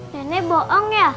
nenek bawa aku ke rumah ya